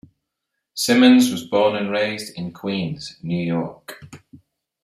Simmons was born and raised in Queens, New York.